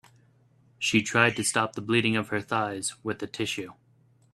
She tried to stop the bleeding of her thighs with a tissue.